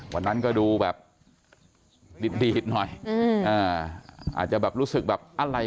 วันนั้นก็ดูแบบดิตหน่อย